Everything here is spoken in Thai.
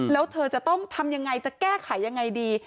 แล้วเธอจะต้องทำยังไงจะแก้ไขยังไงดี